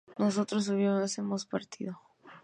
nosotras hubiésemos partido